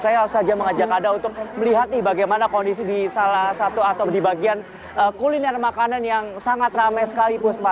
saya harus saja mengajak anda untuk melihat bagaimana kondisi di salah satu atau di bagian kuliner makanan yang sangat ramai sekali puspa